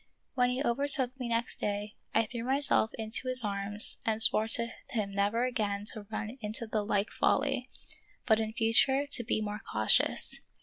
When he overtook me next day I threw myself into his arms and swore to him never again to run into the like folly, but in future to be more cautious.